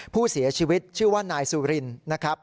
ผู้เสียชีวิตชื่อว่านายสุรินนะครับ